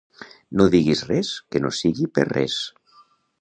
No diguis res que no sigui per res.